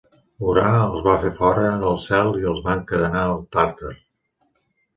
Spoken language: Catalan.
Urà els va fer fora del cel i els va encadenar al Tàrtar.